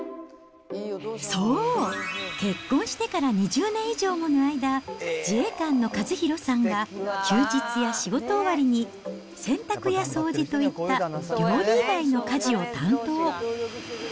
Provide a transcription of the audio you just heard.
そう、結婚してから２０年以上もの間、自衛官の和博さんが、休日や仕事終わりに、洗濯や掃除といった料理以外の家事を担当。